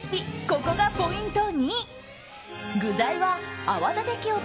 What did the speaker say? ここがポイント２。